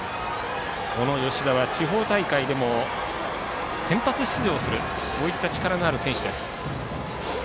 この吉田は地方大会でも先発出場するそういった力のある選手です。